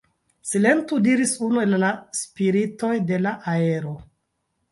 Silentu, diris unu el la spiritoj de la aero.